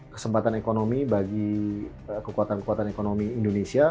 kesempatan ekonomi bagi kekuatan kekuatan ekonomi indonesia